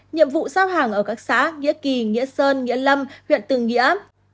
nhiệm vụ giao hàng ở các xã nghĩa kỳ nghĩa sơn nghĩa lâm huyện từ nghĩa